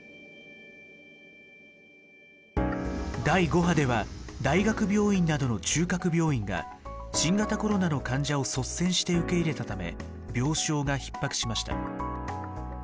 第５波では大学病院などの中核病院が新型コロナの患者を率先して受け入れたため病床がひっ迫しました。